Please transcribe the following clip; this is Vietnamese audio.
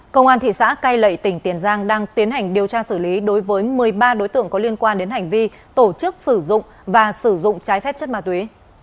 công an thị xã cai lệ tỉnh tiền giang đang tiến hành điều tra xử lý đối với một mươi ba đối tượng có liên quan đến hành vi tổ chức sử dụng và sử dụng trái phép chất ma túy